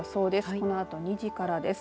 このあと２時からです。